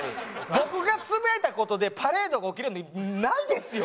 僕が呟いた事でパレードが起きるってないですよ。